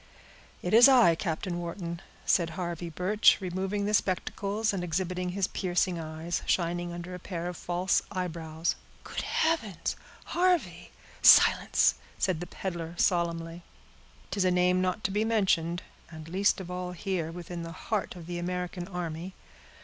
"It is I, Captain Wharton," said Harvey Birch, removing the spectacles, and exhibiting his piercing eyes, shining under a pair of false eyebrows. "Good heavens—Harvey!" "Silence!" said the peddler, solemnly. "'Tis a name not to be mentioned, and least of all here, within the heart of the American army."